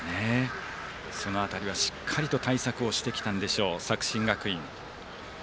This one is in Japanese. その辺りはしっかりと対策をしてきたのでしょう作新学院。